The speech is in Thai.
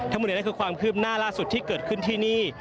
ถ้าคุณเห็นอะไรคือความคืบหน้าล่าสุดที่เกิดขึ้นที่นี่